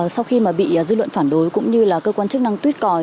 sau khi mà bị dư luận phản đối cũng như là cơ quan chức năng tuyết còi